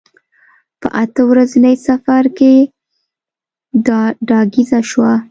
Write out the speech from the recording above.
په اته ورځني سفر کې دا ډاګیزه شوه.